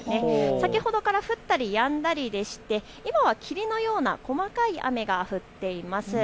先ほどから降ったりやんだりでして、今は霧のような細かい雨が降っています。